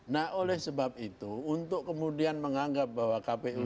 nah oleh sebab itu untuk kemudian menganggap bahwa kpu